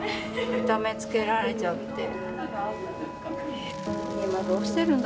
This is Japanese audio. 痛めつけられちゃって。